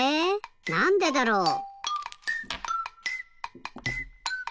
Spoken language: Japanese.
なんでだろう。